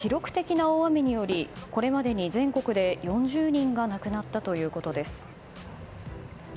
韓国政府によると記録的な大雨によりこれまでに全国で４０人が亡くなったということです。